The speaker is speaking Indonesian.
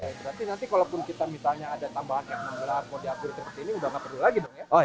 berarti nanti kalaupun kita misalnya ada tambahan f enam belas mau diatur seperti ini sudah tidak perlu lagi dong ya